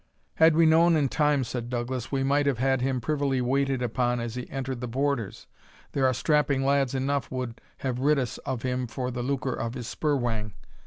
"Had we known in time," said Douglas, "we might have had him privily waited upon as he entered the Borders; there are strapping lads enough would have rid us of him for the lucre of his spur whang.